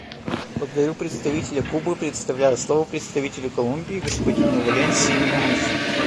Благодарю представителя Кубы и предоставляю слово представителю Колумбии господину Валенсии Муньосу.